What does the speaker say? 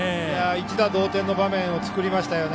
１打同点の場面を作りましたよね。